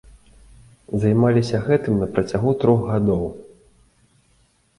Займаліся гэтым на працягу трох гадоў.